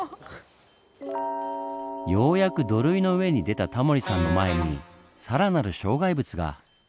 ようやく土塁の上に出たタモリさんの前に更なる障害物が。